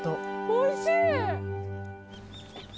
おいしい！